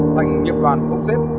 thành nghiệp đoàn công xếp